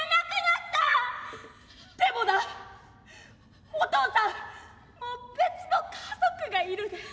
でもなお父さんもう別の家族がいるねん。